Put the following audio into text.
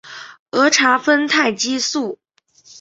儿茶酚胺激素。